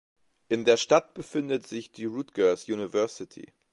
In der Stadt befindet sich die Rutgers University.